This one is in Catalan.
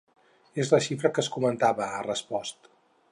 És la xifra que es comentava, ha respost.